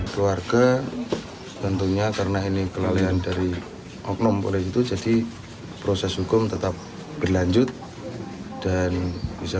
keluarga tentunya karena ini kelalaian dari oknum oleh itu jadi proses hukum tetap berlanjut dan bisa